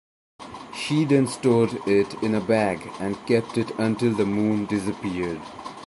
She then stored it in a bag and kept it until the moon disappeared.